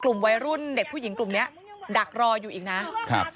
กลุ่มวัยรุ่นเด็กผู้หญิงกลุ่มเนี้ยดักรออยู่อีกนะครับ